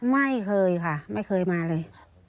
ไม่เคยค่ะไม่เคยมาเลย